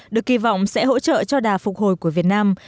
được kỳ vọng sẽ hỗ trợ cho đà phục hồi của việt nam